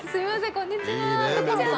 こんにちは。